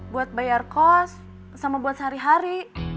buat bayar kos sama buat sehari hari